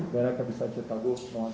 karena kebisaan cetak gol